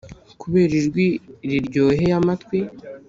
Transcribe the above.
kubera ijwi riryoheye amatwi